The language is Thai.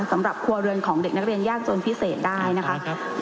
สำหรับครัวเรือนของเด็กนักเรียนยากจนพิเศษได้นะคะ